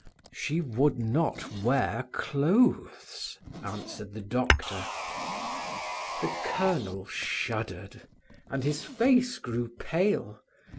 "She would not wear clothes," answered the doctor. The colonel shuddered, and his face grew pale.